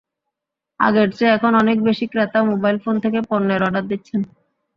আগের চেয়ে এখন অনেক বেশি ক্রেতা মোবাইল ফোন থেকে পণ্যের অর্ডার দিচ্ছেন।